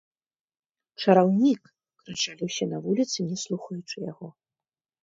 Чараўнік!—крычалі ўсе на вуліцы, не слухаючы яго.